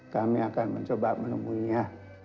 kami akan mencoba menemuinya